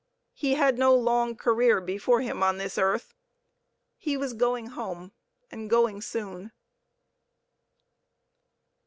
He had no long career before him on this earth; he was going home, and going soon.